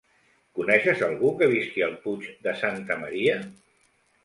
Coneixes algú que visqui al Puig de Santa Maria?